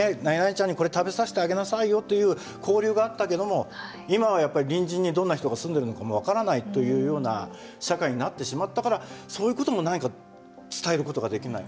ちゃんにこれ食べさせてあげなさいよという交流があったけども今はやっぱり隣人にどんな人が住んでるのかも分からないというような社会になってしまったからそういうことも何か伝えることができない。